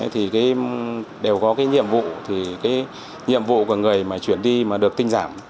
thì đều có cái nhiệm vụ thì cái nhiệm vụ của người mà chuyển đi mà được tinh giảm